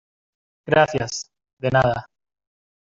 gracias. de nada .